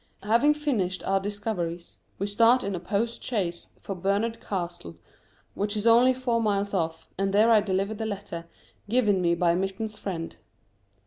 Having finished our discoveries, we start in a postchaise for Barnard Castle, which is only four miles off, and there I deliver the letter given me by Mitton's friend.